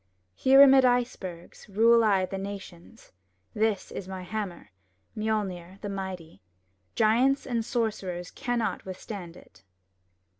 Here amid icebergs, Rule I the nations; This is my hammer, Mjolner, the mighty; Giants and sorcerers Cannot withstand it!